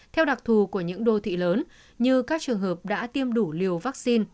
theo đặc thù của những đô thị lớn như các trường hợp đã tiêm đủ liều vaccine